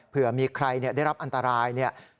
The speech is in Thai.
เผื่อมีใครได้รับอันตราย